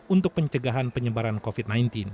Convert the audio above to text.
untuk pencegahan penyebaran covid sembilan belas